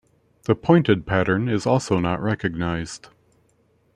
The pointed pattern is also not recognized.